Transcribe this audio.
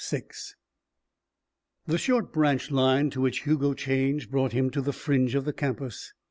VI The short branch line to which Hugo changed brought him to the fringe of the campus.